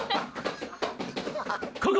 ここ！